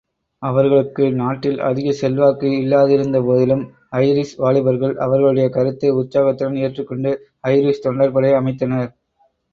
அவர்களுக்கு நாட்டில் அதிகச் செல்வாக்கு இல்லாதிருந்தபோதிலும் ஐரிஷ் வாலிபர்கள், அவர்களுடைய கருத்தை உற்சாகத்துடன் ஏற்றுக்கொண்டு, ஐரிஷ் தொண்டர்படையை அமைத்தனர்.